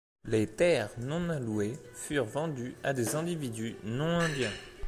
Les terres non allouées furent vendues à des individus non-Indiens.